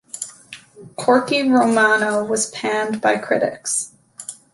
"Corky Romano" was panned by critics.